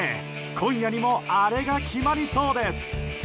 今夜にもあれが決まりそうです！